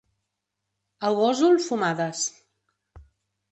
A Gósol, fumades.